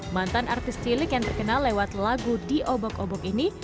mantan artis cilik yang terkenal lewat lagu di obok obok ini